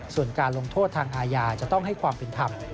ส่วนการลงโทษทางอาญาจะต้องให้ความผิดทำ